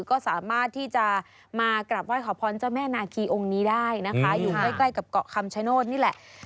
ก็สามารถที่จะมากราบไหว้ขอพรเจ้าแม่นาคีองค์นี้ได้นะคะ